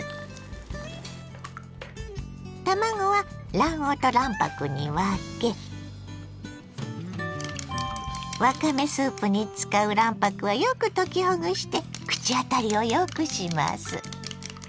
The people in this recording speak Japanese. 卵は卵黄と卵白に分けわかめスープに使う卵白はよく溶きほぐして口当たりをよくします。